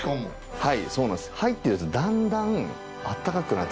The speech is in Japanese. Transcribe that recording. はい。